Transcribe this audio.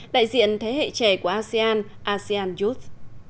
đại diện thế hệ trẻ của asean asean youth